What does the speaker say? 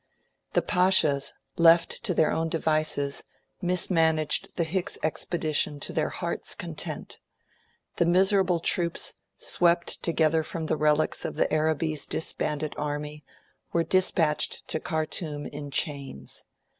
The Pashas, left to their own devices, mismanaged the Hicks expedition to their hearts' content. The miserable troops, swept together from the relics of Arabi's disbanded army, were dispatched to Khartoum in chains.